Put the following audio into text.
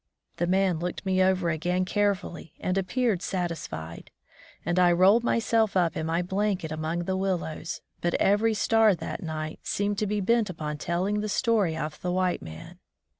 The man looked me over again carefully, and appeared satisfied; and I rolled myself up in my blanket among the willows, but every star that night seemed to be bent upon telling the story of the white man.